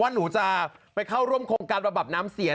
หนูจะไปเข้าร่วมโครงการระดับน้ำเสีย